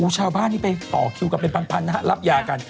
จ้าวบ้านนี่ไปต่อคิวกับเป็นพันธุ์ภัณฑ์รับยากัน